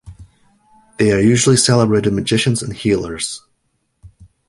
They are usually celebrated magicians and healers.